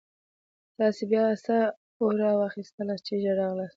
تاسې بیا څه اورا واخیستلاست چې ژر راغلاست.